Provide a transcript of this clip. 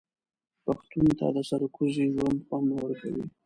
پښتون ته د سرکوزۍ ژوند خوند نه ورکوي.